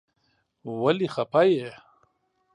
ولی خپه یی ؟